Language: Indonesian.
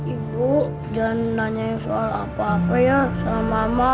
ibu jangan nanyain soal apa apa ya sama mama